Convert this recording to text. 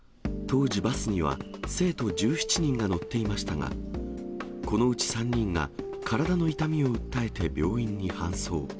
当時、バスには生徒１７人が乗っていましたが、このうち３人が体の痛みを訴えて病院に搬送。